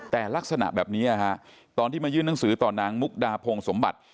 แต่ลักษณะแบบนี้ตอนที่มายื่นหนังสือต่อนางมุกดาพงสมบัติ